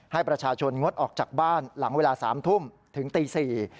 ให้ประชาชนงดออกจากบ้านหลังเวลา๓ทุ่มถึงตี๔